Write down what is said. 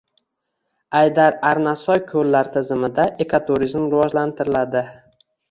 Aydar-Arnasoy ko‘llar tizimida ekoturizm rivojlantirilading